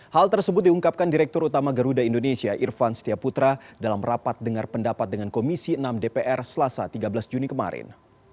hal tersebut diungkapkan direktur utama garuda indonesia irfan setia putra dalam rapat dengar pendapat dengan komisi enam dpr selasa tiga belas juni kemarin